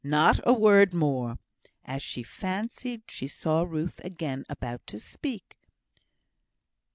Not a word more," as she fancied she saw Ruth again about to speak.